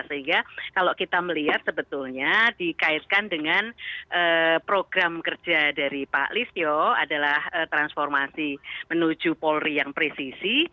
sehingga kalau kita melihat sebetulnya dikaitkan dengan program kerja dari pak listio adalah transformasi menuju polri yang presisi